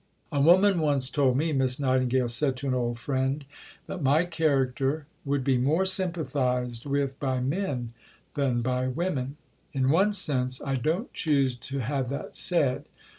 "A woman once told me," Miss Nightingale said to an old friend, "that my character would be more sympathized with by men than by women. In one sense I don't choose to have that said.